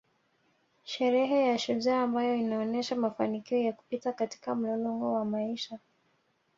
Sherehe ya shujaa ambayo inaonesha mafanikio ya kupita katika mlolongo wa maisha